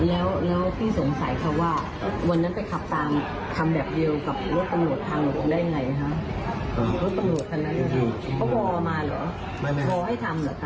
แล้วพี่สงสัยค่ะว่าวันนั้นเขาขับตามทำแบบเดียวกับรถประโหลทางลงได้ไงฮะ